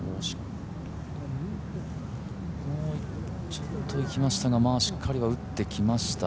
ちょっといきましたが、しっかりは打ってきました。